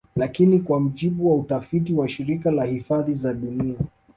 Lakini kwa mujibu wa utafiti wa Shirika la hifadhi za dunia